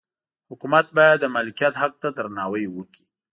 حکومت باید د مالکیت حق ته درناوی وکړي.